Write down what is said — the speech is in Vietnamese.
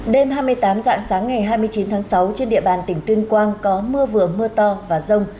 đêm hai mươi tám dạng sáng ngày hai mươi chín tháng sáu trên địa bàn tỉnh tuyên quang có mưa vừa mưa to và rông